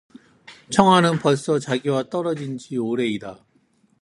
청아는 벌써 자기와 떨어진 지가 오래이다.